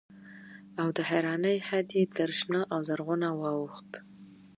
او د حيرانۍ حد يې تر شنه او زرغونه واوښت.